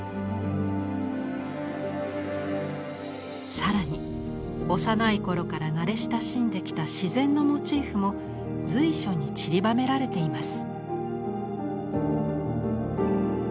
更に幼い頃から慣れ親しんできた自然のモチーフも随所にちりばめられています。